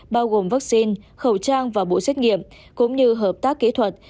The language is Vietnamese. bao gồm vaccine khẩu trang và bộ xét nghiệm cũng như hợp tác kỹ thuật